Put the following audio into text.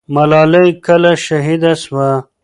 ملالۍ کله شهیده سوه؟